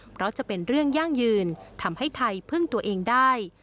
เพราะจะเป็นเรื่องยั่งยืนทำให้ไทยพึ่งตัวเองได้